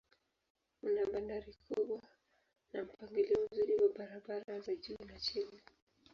Una bandari kubwa na mpangilio mzuri wa barabara za juu na chini.